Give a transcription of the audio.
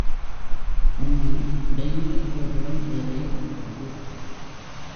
அங்கு இடை நிலைக் கோபுரம் வேறே இருக்கிறது.